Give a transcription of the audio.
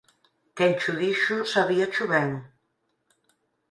Quen cho dixo sabíacho ben